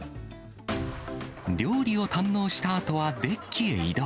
料理を堪能したあとはデッキへ移動。